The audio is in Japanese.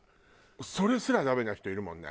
それすらダメな人いるもんね。